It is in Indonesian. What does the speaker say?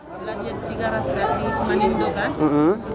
lagi lagi tiga ras tadi semanin dulu kan